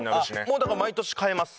もうだから毎年変えます。